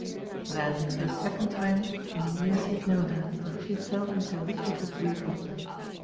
Then for the second time in the years he had known her she fell into a fit of weeping.